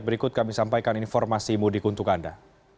berikut kami sampaikan informasi mudik untuk anda